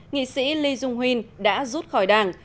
nghị sĩ lê dung huynh đã rút khỏi đảng